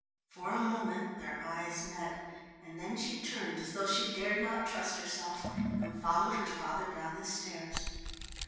For a moment their eyes met, and then she turned as though she dared not trust herself and followed her father down the stairs.